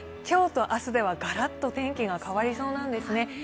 今日と明日ではガラッと天気が変わりそうなんですね。